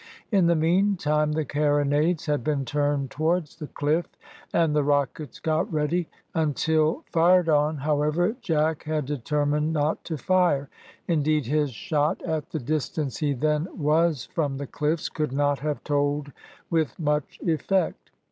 In the meantime the carronades had been turned towards the cliff, and the rockets got ready. Until fired on, however, Jack had determined not to fire; indeed his shot, at the distance he then was from the cliffs, could not have told with much effect.